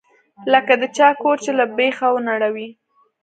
لکه د چا کور چې له بيخه ونړوې.